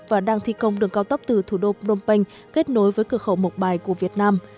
và đang thi công đường cao tốc từ thủ đô phnom penh kết nối với cửa khẩu mộc bài của việt nam